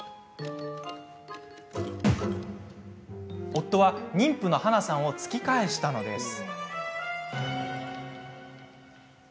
夫は、妊婦のはなさんを突き返したのです。